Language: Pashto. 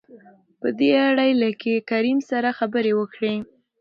په دې اړه يې له کريم سره خبرې وکړې.